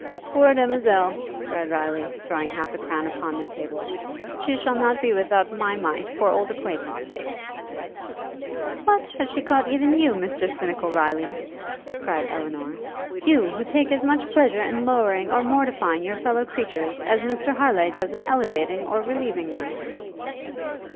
'Poor demoiselle!' cried Riley, throwing half a crown upon the table, 'she shall not be without my mite, for old acquaintance sake.' 'What! has she caught even you, Mr Cynical Riley?' cried Elinor; 'you, who take as much pleasure in lowering or mortifying your fellow creatures, as Mr Harleigh does in elevating, or relieving them?'